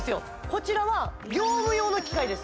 こちらは業務用の機械です